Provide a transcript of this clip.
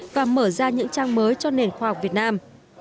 và mở ra những trang mới cho nền khoa học việt nam